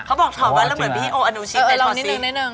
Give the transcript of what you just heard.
เขาบอกถอดแว่นแล้วเหมือนพี่โออนุชิแต่ถอดซิเออเออลองนิดนึง